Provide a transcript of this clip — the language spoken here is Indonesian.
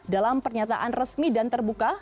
dalam pernyataan resmi dan terbuka